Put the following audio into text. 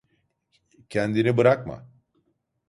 Kendini bırakma.